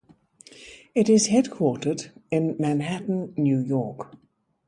It is headquartered in Manhattan, New York.